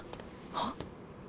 はっ。